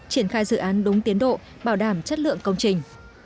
triển khai dự án đúng tiến độ bảo đảm chất lượng công trình